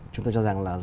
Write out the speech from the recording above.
chúng tôi cho rằng là